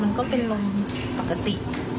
มันก็เป็นลมปกติ